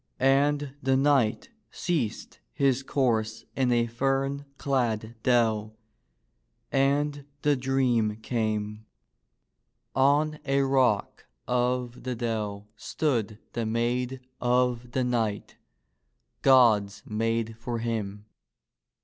And the knight ceased his course in a fern clad dell and the dream came. On a rock of the dell stood the maid of the knight — God^s maid for him.